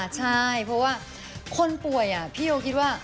ใช่เพราะว่าคนป่วยพี่โอคิดว่า